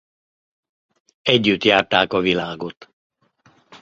Együtt járták a világot.